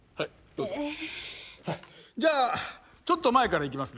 じゃあちょっと前からいきますね。